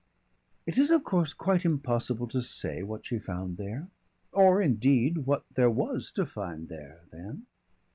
It is of course quite impossible to say what she found there or indeed what there was to find there then.